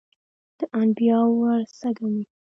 د انبیاوو ورثه ګڼي.